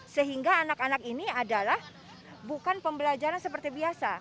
sehingga anak anak ini adalah bukan pembelajaran seperti biasa